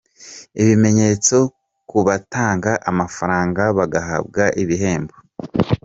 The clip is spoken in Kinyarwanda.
Ibimenyetso ku batanga amafaranga bagahabwa ibihembo’.